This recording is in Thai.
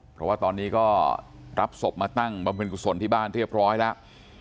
เพราะว่าตอนนี้ก็รับศพมาตั้งบำเพ็ญกุศลที่บ้านเรียบร้อยแล้ว